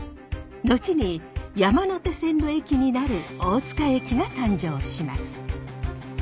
後に山手線の駅になる大塚駅が誕生します。